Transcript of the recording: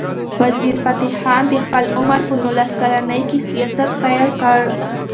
وزیرفتح خان د خپل عمر په نولس کلنۍ کې سیاست پیل کړ.